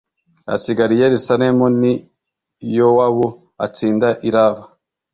asigara i Yerusalemu ni Yowabu atsinda i Raba